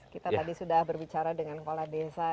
kita tadi sudah berbicara dengan kepala desa